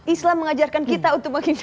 islam mengajarkan kita untuk makin jauh